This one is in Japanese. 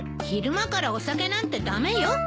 昼間からお酒なんて駄目よ。